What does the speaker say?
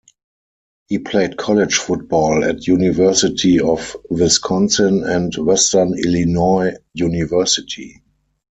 He played college football at University of Wisconsin and Western Illinois University.